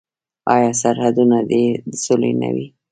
آیا سرحدونه دې د سولې نه وي؟